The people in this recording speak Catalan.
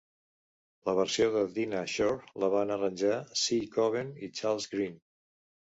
La versió de Dinah Shore la van arranjar Cy Coben i Charles Grean.